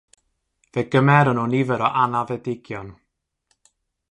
Fe gymeron nhw nifer o anafedigion.